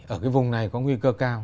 ở cái vùng này có nguy cơ cao